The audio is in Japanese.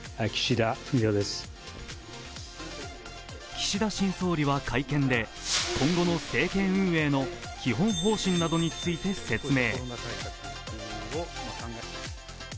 岸田新総理は会見で、今後の政権運営の基本方針などについて説明。